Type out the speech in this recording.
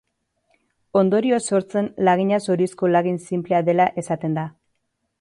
Ondorioz sortzen lagina zorizko lagin sinplea dela esaten da.